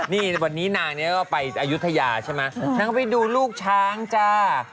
นี่วันนี้นางเนี่ยก็ไปอายุทยาใช่ไหมนางก็ไปดูลูกช้างจ้า